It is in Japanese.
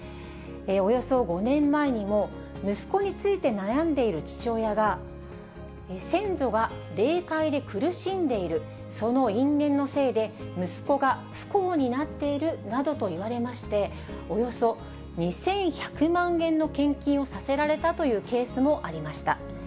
およそ５年前にも、息子について悩んでいる父親が、先祖が霊界で苦しんでいる、その因縁のせいで息子が不幸になっているなどと言われまして、およそ２１００万円の献金をさせられたというケースもありました。